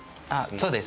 そうです。